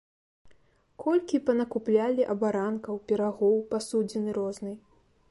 Колькі панакуплялі абаранкаў, пірагоў, пасудзіны рознай.